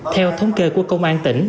theo thống kê của công an tỉnh